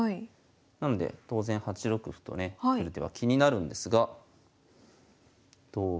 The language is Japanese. なので当然８六歩とねくる手は気になるんですが同歩。